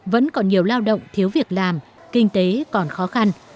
vẫn còn nhiều lao động thiếu việc làm kinh tế còn khó khăn